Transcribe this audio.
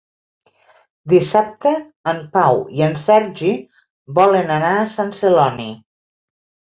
Dissabte en Pau i en Sergi volen anar a Sant Celoni.